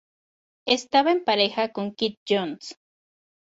Estaba en pareja con Keith Jones.